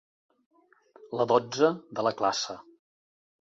La dotze de la classe.